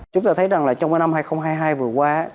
chúng ta thấy rằng là trong năm hai nghìn hai mươi hai vừa qua